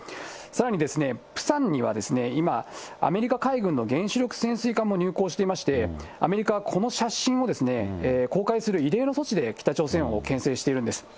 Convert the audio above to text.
さらにプサンには今、アメリカ海軍の原子力潜水艦も入港していまして、アメリカはこの写真を公開する異例の措置で、北朝鮮をけん制しているんです。